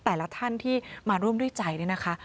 แต่ละท่านที่มาร่วมด้วยใจเนี่ยนะคะ